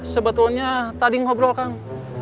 sebetulnya tadi ngobrol kang